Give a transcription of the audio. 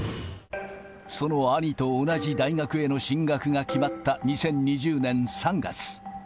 その兄と同じ大学への進学が決まった２０２０年３月。